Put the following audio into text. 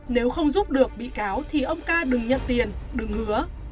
nếu không giúp được bị cáo thì ông ca đừng nhận tiền đừng hứa